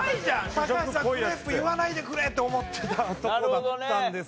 高橋さんクレープ言わないでくれって思ってたとこだったんですが。